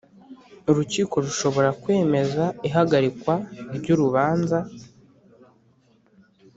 Urukiko rushobora kwemeza ihagarikwa ry’urubanza